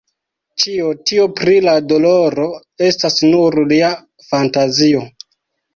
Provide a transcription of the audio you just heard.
Ĉio tio pri la doloro estas nur lia fantazio.